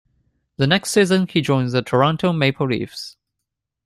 The next season, he joined the Toronto Maple Leafs.